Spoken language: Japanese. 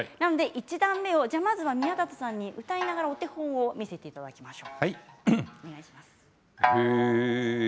まずは宮里さんに歌いながらお手本を見せていただきます。